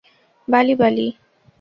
বালি, বালি।